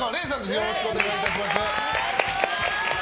よろしくお願いします。